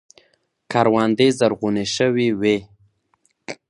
کروندې زرغونې شوې وې.